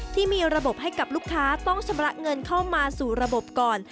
ที่มีระบบให้กับลูกค้าต้องชำระเงินเข้ามาสู่ระบบก่อน